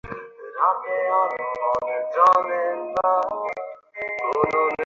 সত্তা কখনও দুই হইতে পারে না, সত্তা কেবল এক।